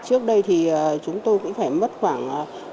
trước đây thì chúng tôi cũng phải mất khoảng